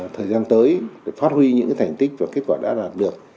thời gian tới phát huy những cái thành tích và kết quả đã đạt được